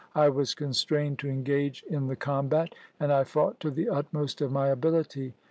I was constrained to engage in the combat, and I fought to the utmost of my ability.